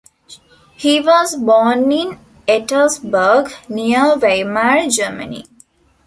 He was born in Ettersburg near Weimar, Germany.